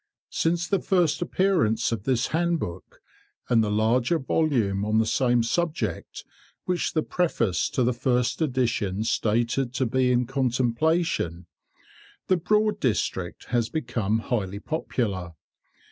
Since the first appearance of this Handbook, and the larger volume on the same subject, which the preface to the first edition stated to be in contemplation, the Broad District has become highly popular.